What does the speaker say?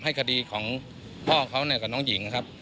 ให้คดีของพ่อเขาเนี่ยกับน้องหญิงนะครับ